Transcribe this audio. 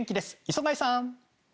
磯貝さん！